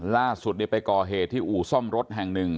ล่าสุดไปก่อเหตุที่อู่ซ่อมรถแห่งหนึ่ง